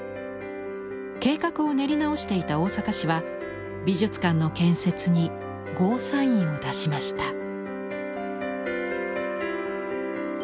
計画を練り直していた大阪市は美術館の建設にゴーサインを出しました。